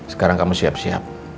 sekarang kamu siap siap